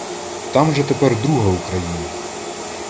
Там же тепер друга Україна.